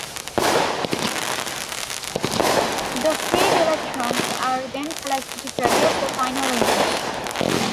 The freed electrons are then collected to produce the final image.